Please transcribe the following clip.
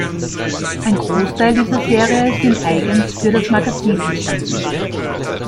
Ein Großteil dieser Serien sind eigens für das Magazin entstanden.